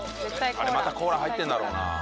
あれまたコーラ入ってんだろな。